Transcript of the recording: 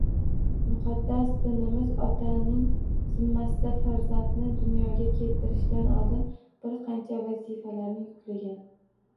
Muqaddas dinimiz otaning zimmasiga farzandni dunyoga keltirishdan oldin bir qancha vazifalarni yuklagan